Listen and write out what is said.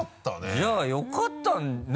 じゃあよかったね